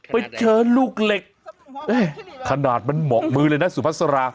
ไปเชิญลูกเหล็กเอ๊ะขนาดมันเหมาะมือเลยน่ะสุภาษา